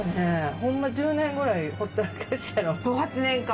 ホンマ１０年ぐらいほったらかしやろ？